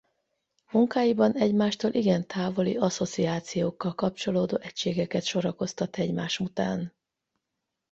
Munkáiban egymástól igen távoli asszociációkkal kapcsolódó egységeket sorakoztat egymás után.